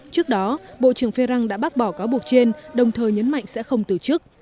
trước đó bộ trưởng ferrand đã bác bỏ cáo buộc trên đồng thời nhấn mạnh sẽ không tự do